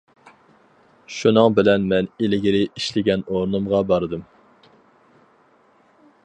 شۇنىڭ بىلەن مەن ئىلگىرى ئىشلىگەن ئورنۇمغا باردىم.